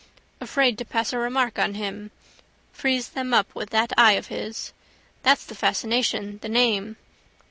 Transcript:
Afraid to pass a remark on him. Freeze them up with that eye of his. That's the fascination: the name.